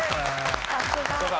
さすが。